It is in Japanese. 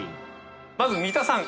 まず三田さん。